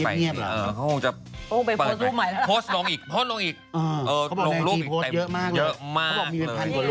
มันจะโปรดอีกเยอะมากเลย